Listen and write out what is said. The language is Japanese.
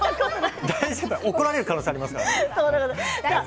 怒られる可能性がありますからね。